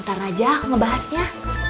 bentar aja aku ngebahasnya